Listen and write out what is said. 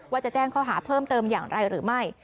ว่าจะแจ้งข้อหาเพิ่มเติมอย่างไรหรือไม่